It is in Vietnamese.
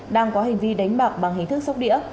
đang có hình di đánh bạc bằng hình thức sóc đĩa